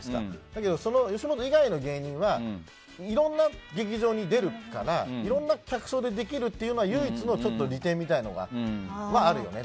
だけど吉本以外の芸人はいろんな劇場に出るからいろんな客層でできるという唯一の利点みたいなのはあるよね。